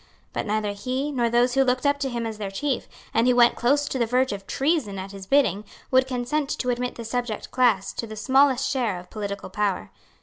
But neither he, nor those who looked up to him as their chief, and who went close to the verge of treason at his bidding, would consent to admit the subject class to the smallest share of political power.